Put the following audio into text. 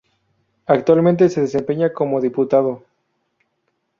Actualmente se desempeña como diputado.